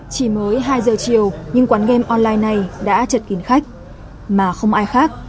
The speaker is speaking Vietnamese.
chỉ mới hai giờ chiều nhưng quán game online này đã chật kín khách mà không ai khác